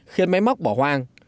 khiến máy móc bỏ hoang